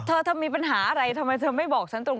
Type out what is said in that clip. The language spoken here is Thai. เธอเธอมีปัญหาอะไรทำไมเธอไม่บอกฉันตรง